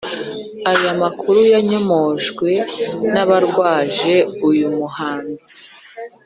aya makuru yanyomojwe n'abarwaje uyu muhanzi